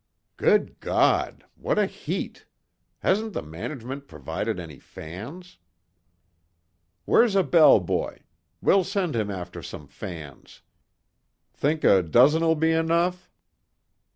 "Good God! What a heat! Hasn't the management provided any fans?" "Where's a bellboy? We'll send him after some fans. Think a dozen'll be enough?"